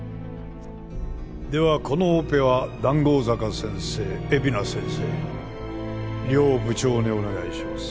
ではこのオペは談合坂先生海老名先生両部長にお願いします。